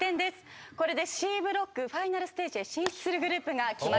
これでＣブロックファイナルステージへ進出するグループが決まります。